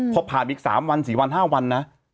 พอผ่านอีก๓วัน๔วัน๕วันนะ